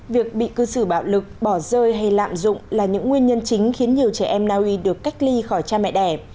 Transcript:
việc bị cư xử bạo lực bỏ rơi hay lạm dụng là những nguyên nhân chính khiến nhiều trẻ em naui được cách ly khỏi cha mẹ đẻ